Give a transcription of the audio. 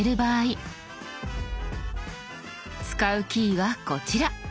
使うキーはこちら。